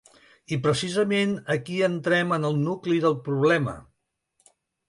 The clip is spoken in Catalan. I precisament aquí entrem en el nucli del problema.